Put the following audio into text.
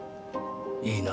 いいな？